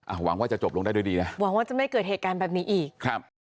หวังว่าจะจบลงได้ด้วยดีนะหวังว่าจะไม่เกิดเหตุการณ์แบบนี้อีกครับ